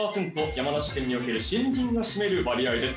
山梨県における森林が占める割合です